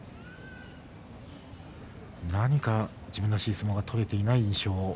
何か自分らしい相撲が取れていない。